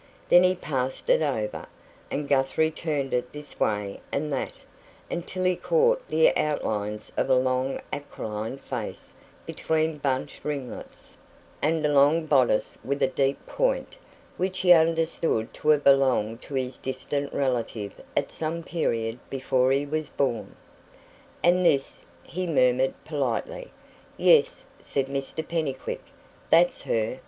Then he passed it over, and Guthrie turned it this way and that, until he caught the outlines of a long aquiline face between bunched ringlets, and a long bodice with a deep point, which he understood to have belonged to his distant relative at some period before he was born. "And this?" he murmured politely. "Yes," said Mr Pennycuick; "that's her.